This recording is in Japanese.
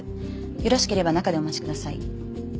よろしければ中でお待ちください。